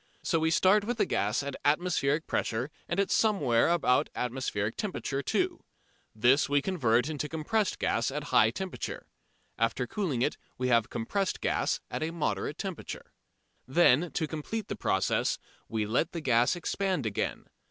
So we start with the gas at atmospheric pressure and at somewhere about atmospheric temperature too. This we convert into compressed gas at a high temperature. After cooling it we have compressed gas at a moderate temperature. Then, to complete the process, we let the gas expand again.